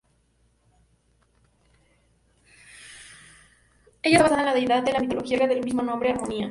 Ella está basada en la deidad de la Mitología griega del mismo nombre Harmonía.